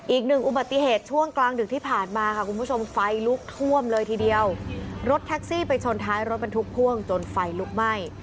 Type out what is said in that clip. อีกหนึ่งอุบัติเหตุช่วงกลางดึกที่ผ่านมาค่ะคุณผู้ชมไฟลุกท่วมเลยทีเดียวรถแท็กซี่ไปชนท้ายรถบรรทุกพ่วงจนไฟลุกไหม้